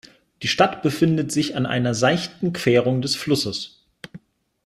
Die Stadt befindet sich an einer seichten Querung des Flusses.